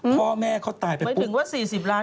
พ่อแม่เขาตายไปแล้วหมายถึงว่า๔๐ล้าน